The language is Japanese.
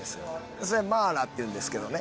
それがマーラっていうんですけどね。